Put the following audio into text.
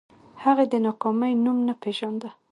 هغې د ناکامۍ نوم نه پېژانده